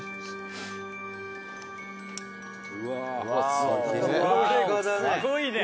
すごいね！